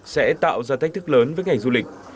sẽ tạo ra thách thức lớn với ngành du lịch